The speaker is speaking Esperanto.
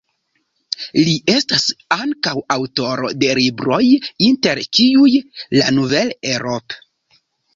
Li estas ankaŭ aŭtoro de libroj inter kiuj "La nouvelle Europe.